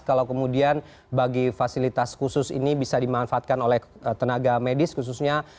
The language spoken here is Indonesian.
kalau kemudian bagi fasilitas khusus ini bisa dimanfaatkan oleh tenaga medis khususnya